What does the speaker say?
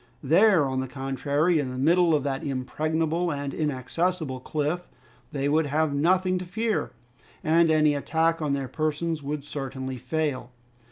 There, on the contrary, in the middle of that impregnable and inaccessible cliff, they would have nothing to fear, and any attack on their persons would certainly fail.